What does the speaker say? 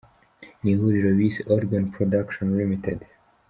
Ni ihuriro bise Oregon Production Ltd.